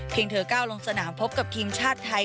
เธอก้าวลงสนามพบกับทีมชาติไทย